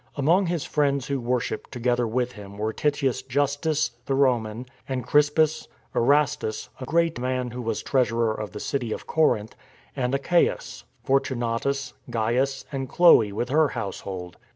Among his friends who worshipped together with him were Titius Justus the Roman and Crispus, Erastus, a great man who was treasurer of the city of Corinth, and Achaicus, Fortunatus, Gains and Chlce with her household.